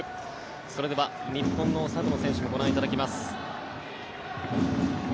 それでは日本のサブの選手もご覧いただきます。